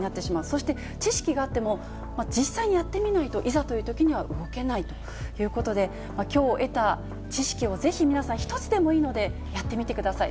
そして知識があっても、実際にやってみないと、いざというときに動けないということで、きょう得た知識をぜひ皆さん、１つでもいいので、やってみてください。